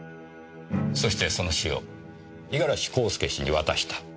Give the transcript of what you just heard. そしてその詩を五十嵐孝介氏に渡した。